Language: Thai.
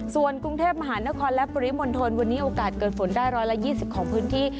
ส่วนกรุงเทพมหานครและปริมณฑลวันนี้โอกาสเกิดฝนได้๑๒๐ของพื้นที่